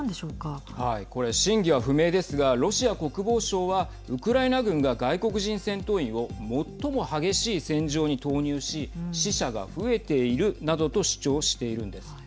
これ真偽は不明ですがロシア国防省はウクライナ軍が外国人戦闘員を最も激しい戦場に投入し死者が増えているなどと主張しているんです。